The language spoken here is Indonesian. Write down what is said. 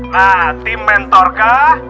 nah tim mentorkah